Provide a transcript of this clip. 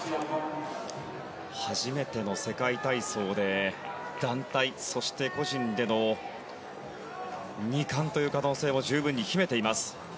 初めての世界体操で団体そして個人での２冠という可能性を十分に秘めています。